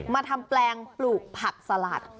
มาทำแปลงปลูกผักสลัด